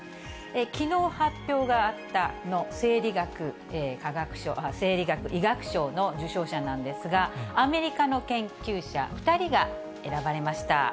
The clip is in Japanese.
きのう発表があった生理学・医学賞の受賞者なんですが、アメリカの研究者２人が選ばれました。